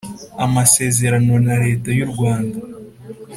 amasezerano na Leta y u Rwanda